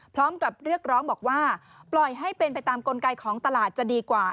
พร้อมกับเรียกร้องบอกว่าปล่อยให้เป็นไปตามกลไกของตลาดจะดีกว่า